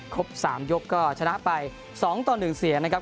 ครบ๓ยกก็ชนะไป๒ต่อ๑เสียนะครับ